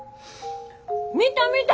見た見た！